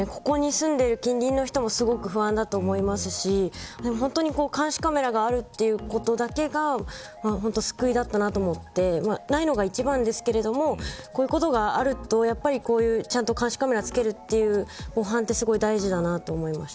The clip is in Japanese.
ここに住んでる近隣の人もすごく不安だと思いますし監視カメラがあるということだけが救いだったなと思ってないのが一番ですけどこういうことがあるとちゃんと監視カメラをつけるという防犯ってすごい大事だなと思いました。